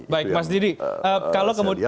baik mas diri